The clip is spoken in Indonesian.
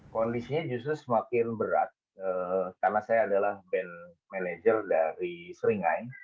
kondisinya justru semakin berat karena saya adalah band manager dari seringai